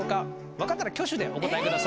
分かったら挙手でお答えください！